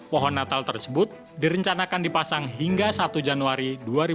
pohon natal tersebut direncanakan dipasang hingga satu januari dua ribu dua puluh